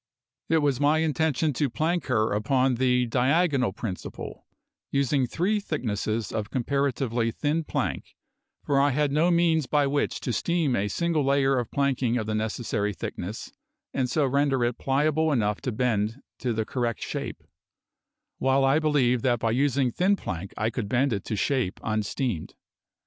It was my intention to plank her upon the diagonal principle, using three thicknesses of comparatively thin plank, for I had no means by which to steam a single layer of planking of the necessary thickness and so render it pliable enough to bend to the correct shape; while I believed that by using thin plank I could bend it to shape unsteamed.